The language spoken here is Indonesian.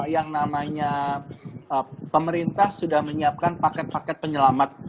yang namanya pemerintah sudah menyiapkan paket paket penyelamat